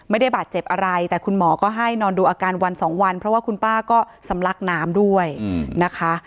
ไม่ได้บาดเจ็บอะไรแต่คุณหมอก็ให้นอนดูอาการวันสองวันเพราะว่าคุณป้าก็สำลักน้ำด้วยนะคะ